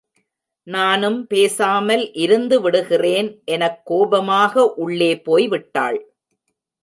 நானும் பேசாமல் இருந்துவிடுகிறேன் எனக் கோபமாக உள்ளே போய்விட்டாள்.